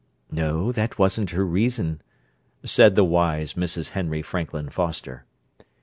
"No, that wasn't her reason," said the wise Mrs. Henry Franklin Foster.